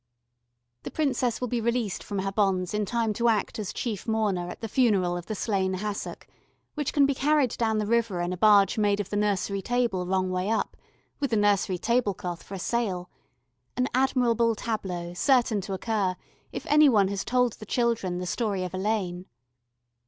The princess will be released from her bonds in time to act as chief mourner at the funeral of the slain hassock, which can be carried down the river in a barge made of the nursery table wrong way up with the nursery tablecloth for a sail an admirable tableau certain to occur if any one has told the children the story of Elaine.